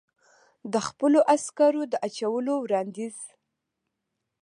د خپلو عسکرو د اچولو وړاندیز.